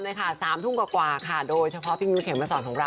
เราปล่องว่าปังแน่นอนค่ะ